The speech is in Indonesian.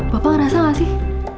bapak ngerasa gak sih